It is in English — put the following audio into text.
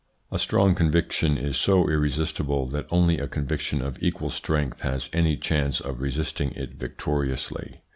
A strong conviction is so irresistible that only a conviction of equal strength has any chance of resisting it victoriously.